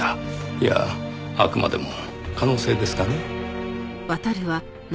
いやあくまでも可能性ですがね。